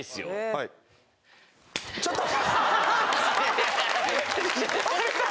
はい・ちょっと！